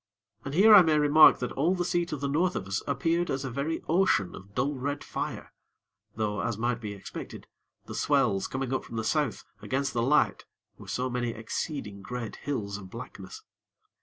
And here I may remark that all the sea to the North of us appeared as a very ocean of dull red fire; though, as might be expected, the swells, coming up from the South, against the light were so many exceeding great hills of blackness.